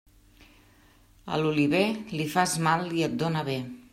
A l'oliver, li fas mal i et dóna bé.